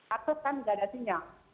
akses kan tidak ada sinyal